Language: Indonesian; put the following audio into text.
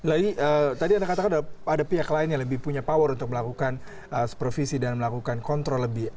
lady tadi anda katakan ada pihak lain yang lebih punya power untuk melakukan supervisi dan melakukan kontrol lebih